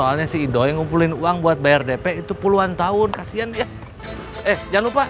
gak seenak apa yang dibilang cu yoyo sama kamu